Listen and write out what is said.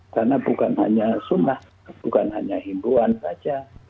karena bukan hanya sunnah bukan hanya himbuan saja